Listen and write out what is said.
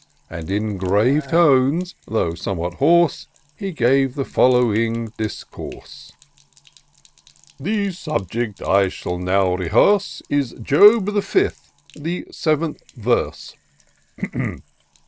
And in grave tones, though somewhat hoarse, He gave the following discourse :—" The subject I shall now rehearse, Is Job, the fifthy — the seventh verse.